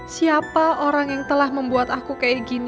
siapa orang yang telah membuat aku kayak gini